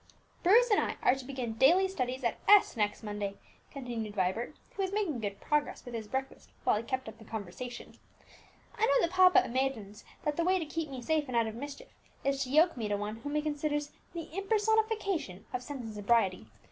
"Bruce and I are to begin daily studies at S next Monday," continued Vibert, who was making good progress with his breakfast whilst he kept up the conversation. "I know that papa imagines that the way to keep me safe and out of mischief, is to yoke me to one whom he considers the impersonification of sense and sobriety.